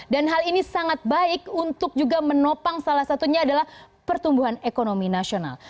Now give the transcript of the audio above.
dan hal ini sangat baik untuk menopang salah satunya adalah pertumbuhan ekonomi nasional